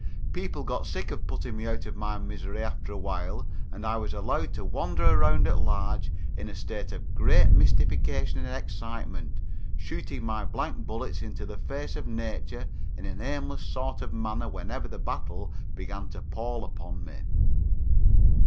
People got sick of putting me out of my misery after a while and I was allowed to wander around at large in a state of great mystification and excitement, shooting my blank bullets into the face of nature in an aimless sort of manner whenever the battle began to pall upon me.